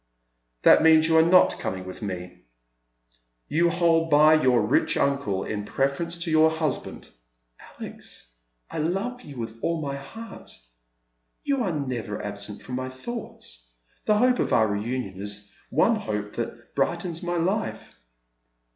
" That means you are not coming with me. You hold by your rich uncle in pi'eference to your husband." " Alex, I love you with all my heart. You are never absent from my thoughts ; the hope of our reunion is the one hope that brightens my life."